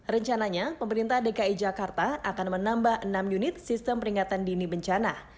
rencananya pemerintah dki jakarta akan menambah enam unit sistem peringatan dini bencana